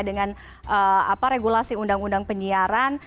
dengan regulasi undang undang penyiaran